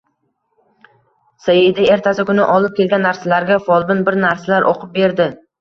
Saida ertasi kuni olib kelgan narsalarga folbin bir narsalar o`qib berdi